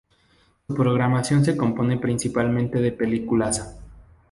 Su programación se compone principalmente de películas.